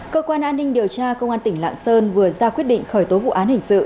cơ quan an ninh điều tra công an tỉnh lạng sơn vừa ra quyết định khởi tố vụ án hình sự